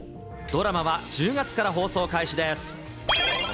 ドラマは１０月から放送開始です。